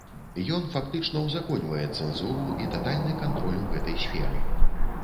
Ён фактычна ўзаконьвае цэнзуру і татальны кантроль у гэтай сферы.